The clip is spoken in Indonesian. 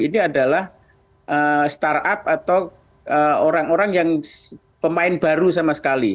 ini adalah startup atau orang orang yang pemain baru sama sekali